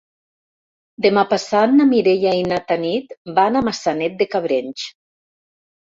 Demà passat na Mireia i na Tanit van a Maçanet de Cabrenys.